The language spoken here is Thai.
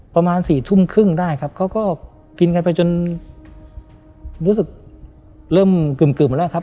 ประมาณสี่ทุ่มครึ่งได้ครับเขาก็กินกันไปจนรู้สึกเริ่มกึ่มมาแล้วครับ